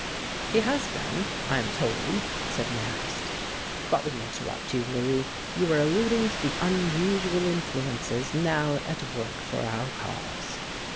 "He has been, I am told," said Marrast. "But we interrupt you, Louis. You were alluding to the unusual influences now at work for our cause."